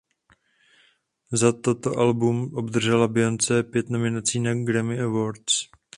Za toto album obdržela Beyoncé pět nominací na Grammy Awards.